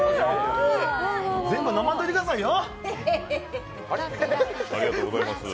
全部飲まんといてくださいよ！